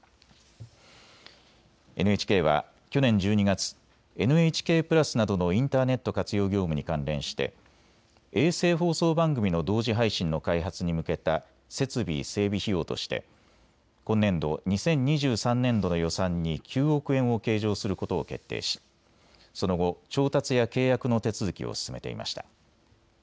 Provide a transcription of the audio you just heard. ＮＨＫは去年１２月、ＮＨＫプラスなどのインターネット活用業務に関連して衛星放送番組の同時配信の開発に向けた設備整備費用として今年度２０２３年度の予算に９億円を計上することを決定しその後、調達や契約の手続きを進めていました。